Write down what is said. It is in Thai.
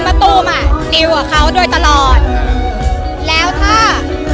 มะตูมอ่ะดีกว่าเขาโดยตลอดแล้วถ้า